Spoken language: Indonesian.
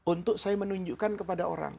untuk saya menunjukkan kepada orang